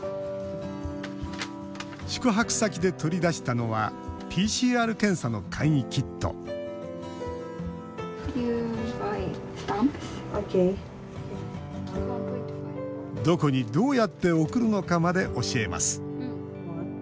宿泊先で取り出したのはＰＣＲ検査の簡易キットどこにどうやって送るのかまで教えます。